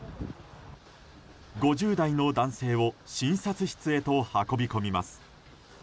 ５０代の男性を診察室へと運び込みます。